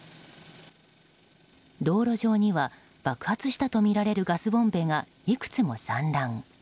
道路上には爆発したとみられるガスボンベがいくつも散乱。